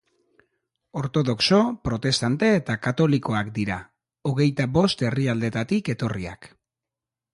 Ortodoxo, protestante eta katolikoak dira, hogeita bost herrialdetatik etorriak.